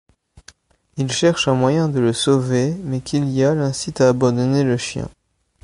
Il cherche un moyen de le sauver mais Quilla l'incite à abandonner le chien.